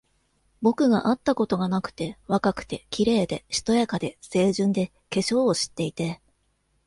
僕があったことがなくて、若くて、綺麗で、しとやかで、清純で、化粧を知っていて、